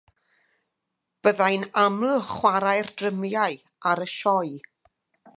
Byddai'n aml chwarae'r drymiau ar y sioe.